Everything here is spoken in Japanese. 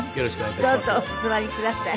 どうぞお座りください。